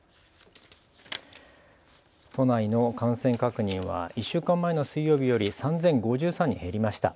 都内の感染確認は１週間前の水曜日より３０５３人減りました。